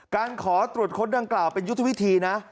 การขอตรวจค้นดังกล่าวเป็นยุทธวิธีนะ